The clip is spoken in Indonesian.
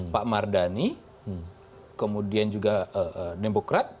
pak mardani kemudian juga demokrat